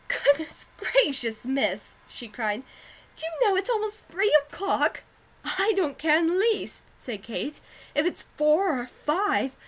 "Goodness gracious, Miss!" she cried. "Do you know it's almost three o'clock?" "I don't care in the least," said Kate, "if it's four or five.